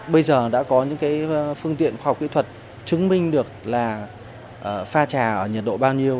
bây giờ đã có những phương tiện khoa học kỹ thuật chứng minh được là pha trà ở nhiệt độ bao nhiêu